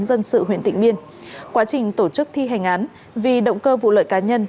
dân sự huyện tịnh biên quá trình tổ chức thi hành án vì động cơ vụ lợi cá nhân